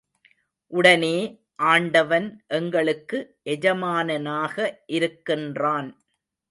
உடனே, ஆண்டவன் எங்களுக்கு எஜமானனாக இருக்கின்றான்.